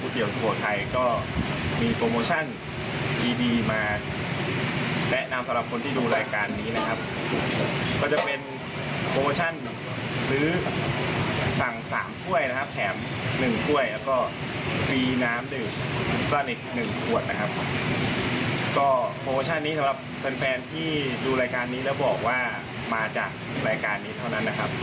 ก็โปรโมชั่นนี้สำหรับแฟนที่ดูรายการนี้แล้วบอกว่ามาจากรายการนี้เท่านั้นนะครับ